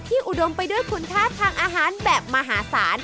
อุดมไปด้วยคุณค่าทางอาหารแบบมหาศาล